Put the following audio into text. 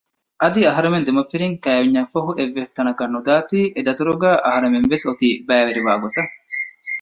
އަދި އަހަރެމެން ދެމަފިރިންވެސް ކައިވެންޏށްފަހު އެއްވެސް ތަނަކަށް ނުދާތީ އެދަތުރުގައި އަހަރެމެންވެސް އޮތީ ބައިވެރިވާގޮތަށް